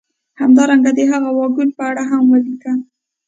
همدارنګه د هغه واګون په اړه هم ولیکه